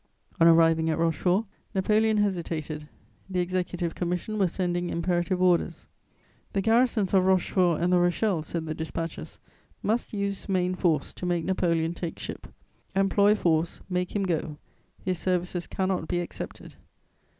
On arriving at Rochefort, Napoleon hesitated: the Executive Commission were sending imperative orders: "The garrisons of Rochefort and the Rochelle," said the dispatches, "must use main force to make Napoleon take ship.... Employ force... make him go... his services cannot be accepted."